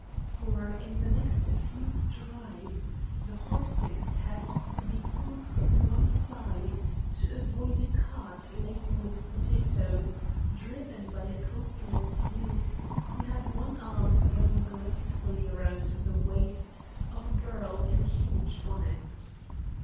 For, in the next few strides, the horses had to be pulled to one side to avoid a cart laden with potatoes, driven by a coatless youth who had one arm thrown gracefully around the waist of a girl in a huge bonnet.